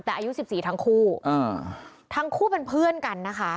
แต่อายุสิบสี่ทั้งคู่อ่าทั้งคู่ทั้งคู่เป็นเพื่อนกันนะคะ